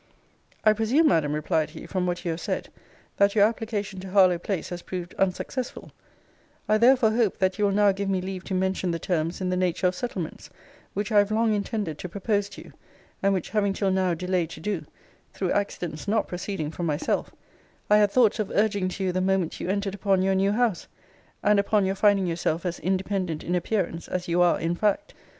I presume, Madam, replied he, from what you have said, that your application to Harlowe place has proved unsuccessful: I therefore hope that you will now give me leave to mention the terms in the nature of settlements, which I have long intended to propose to you; and which having till now delayed to do, through accidents not proceeding from myself, I had thoughts of urging to you the moment you entered upon your new house; and upon your finding yourself as independent in appearance as you are in fact.